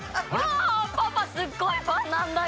あパパすっごいファンなんだよ！